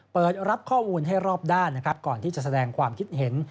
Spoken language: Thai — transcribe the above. เปิดรับข้อมูลให้รอบด้านนะครับก่อนที่จะแสดงความคิดเห็น